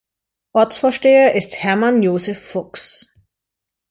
Ortsvorsteher ist Hermann Josef Fuchs.